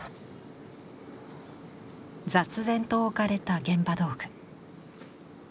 雑然と置かれた現場道具。